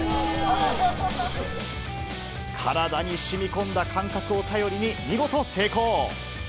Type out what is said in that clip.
体にしみこんだ感覚を頼りに、見事、成功。